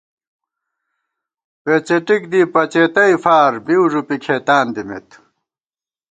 پېڅېٹِک دی پڅَېتَئے فار ، بِیؤ ݫُپی کھېتان دِمېت